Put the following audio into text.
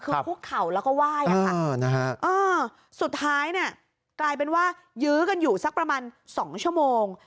คือคุกเข่าแล้วก็ไหว้สุดท้ายเนี่ยกลายเป็นว่ายื้อกันอยู่สักประมาณ๒ชั่วโมง